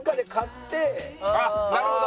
なるほど！